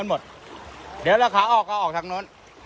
อ่ะ้ะหน้าน่าลงค่อยไปแล้ว